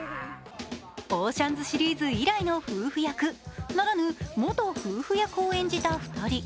「オーシャンズ」シリーズ以来の夫婦役ならぬ元夫婦役を演じた２人。